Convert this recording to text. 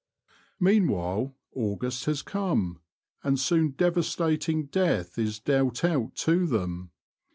Meanwhile August has come, and soon devastating death is dealt out to them.